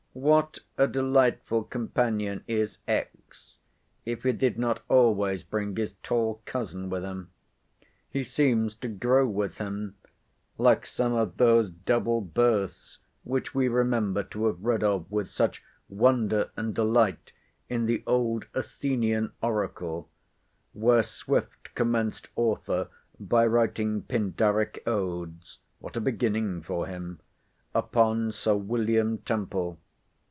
What a delightful companion is , if he did not always bring his tall cousin with him! He seems to grow with him; like some of those double births, which we remember to have read of with such wonder and delight in the old "Athenian Oracle," where Swift commenced author by writing Pindaric Odes (what a beginning for him!) upon Sir William Temple.